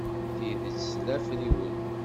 Tidet tla afriwen.